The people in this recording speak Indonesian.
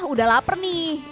udah lapar nih